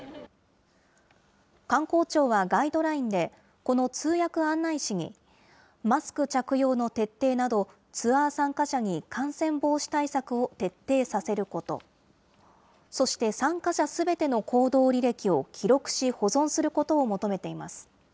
観光庁はガイドラインで、この通訳案内士に、マスク着用の徹底など、ツアー参加者に感染防止対策を徹底させること、そして参加者すべての行動履歴を記録し保存することを求めています。